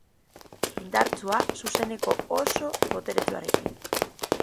Indartsua, zuzeneko oso boteretsuarekin.